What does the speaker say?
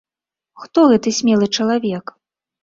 Хто гэты смелы чалавек?